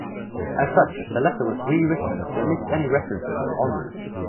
As such, the letter was rewritten to omit any references to honour.